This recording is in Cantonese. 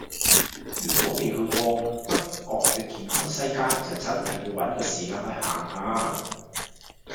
如果未去過北角嘅健康西街就真係要搵個時間去行吓